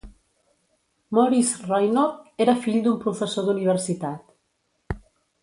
Maurice Raynaud era fill d"un professor d"universitat.